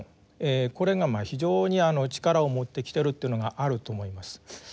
これが非常に力を持ってきてるというのがあると思います。